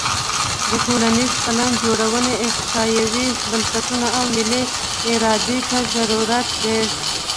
د ټولنیزې پلانجوړونې احصایوي بنسټونو او ملي ارادې ته ضرورت دی.